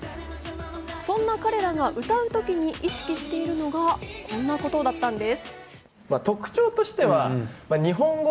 そんな彼らが歌うときに意識しているのがこんなことだったんです。